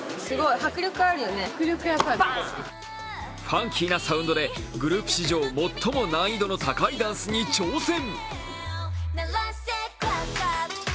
ファンキーなサウンドで、グループ史上最も難易度の高いダンスに挑戦。